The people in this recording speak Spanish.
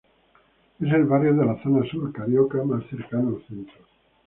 Es el barrio de la Zona Sur carioca más cercano al centro.